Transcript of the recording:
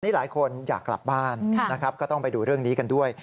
นี่หลายคนอยากกลับบ้านนะครับก็ต้องไปดูเรื่องนี้กันด้วย